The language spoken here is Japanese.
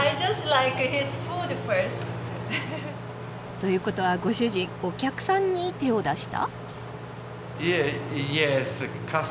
という事はご主人お客さんに手を出した？